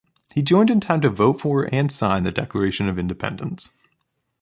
He joined in time to vote for and sign the Declaration of Independence.